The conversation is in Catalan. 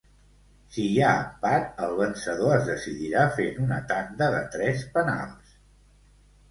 Si hi ha empat, el vencedor es decidirà fent una tanda de tres penals.